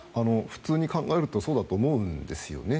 普通に考えるとそうだと思うんですよね。